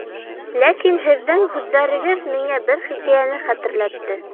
Ләкин һеҙҙең һүҙҙәрегеҙ миңә бер хикәйәне хәтерләтте